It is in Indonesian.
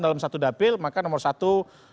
dalam satu dapil maka nomor satu